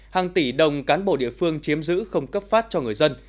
hàng tỷ đồng cán bộ địa phương chiếm giữ không cấp phát cho người dân